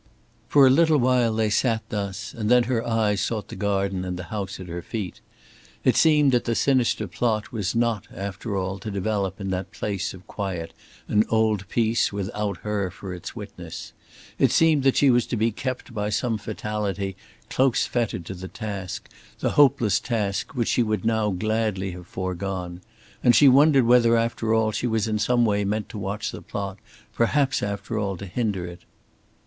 For a little while they sat thus, and then her eyes sought the garden and the house at her feet. It seemed that the sinister plot was not, after all, to develop in that place of quiet and old peace without her for its witness. It seemed that she was to be kept by some fatality close fettered to the task, the hopeless task, which she would now gladly have foregone. And she wondered whether, after all, she was in some way meant to watch the plot, perhaps, after all, to hinder it.